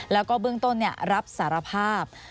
แล้วก็เบื้องต้นรับสารภาพ